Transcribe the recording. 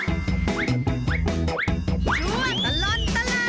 ชวนตลอดตลาด